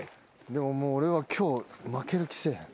でももう俺は今日負ける気せえへん。